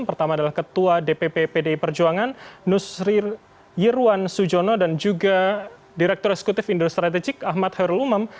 pertama adalah ketua dpp pdi perjuangan nusri yerwan sujono dan juga direktur eksekutif indosrategik ahmad herlumam